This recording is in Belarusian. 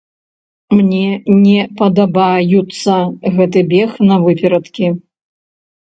Мне не падабаюцца гэты бег навыперадкі.